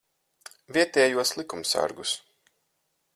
Vietējos likumsargus.